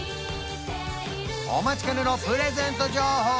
お待ちかねのプレゼント情報